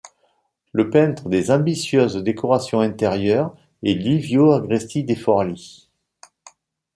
Le peintre des ambitieuses décorations intérieures est Livio Agresti de Forlì.